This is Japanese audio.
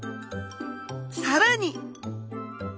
さらに！